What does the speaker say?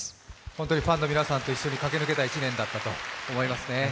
ファンの皆さんと一緒に駆け抜けた一年だと思いますね。